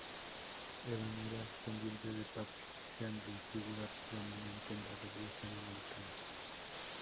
Evan era descendiente de Patrick Henry, figura prominente en la Revolución americana.